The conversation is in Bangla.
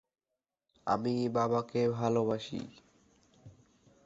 হফম্যান খলনায়ক চরিত্রে তার বিচিত্র অভিনয়ের জন্য সর্বাধিক প্রসিদ্ধ।